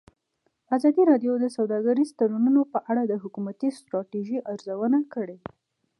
ازادي راډیو د سوداګریز تړونونه په اړه د حکومتي ستراتیژۍ ارزونه کړې.